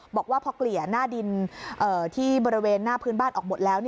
บอกว่าพอเกลี่ยหน้าดินที่บริเวณหน้าพื้นบ้านออกหมดแล้ว